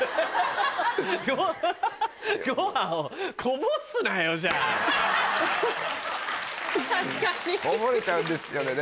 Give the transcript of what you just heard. こぼれちゃうんですよね